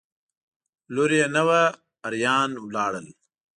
لور یې نه وه اریان ولاړل.